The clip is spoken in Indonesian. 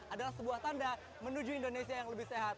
adalah sebuah tanda menuju indonesia yang lebih sehat